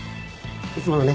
いつものね。